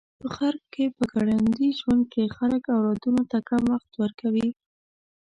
په غرب کې په ګړندي ژوند کې خلک اولادونو ته کم وخت ورکوي.